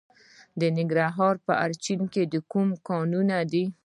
د ننګرهار په اچین کې کوم کانونه دي؟